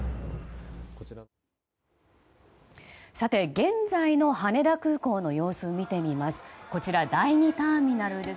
現在の羽田空港の様子を見てみます。